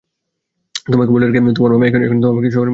তোমাকে বলে রাখি, তোমার মা, এখনো আমাকে শুয়োরের মতো চিৎকার করাতে পারে।